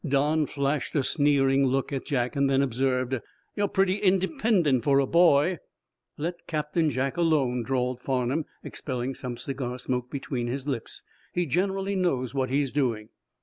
Don flashed a sneering look at Jack, then observed: "You're pretty independent for a boy." "Let Captain Jack alone," drawled Farnum, expelling some cigar smoke between his lips. "He generally knows what he's doing."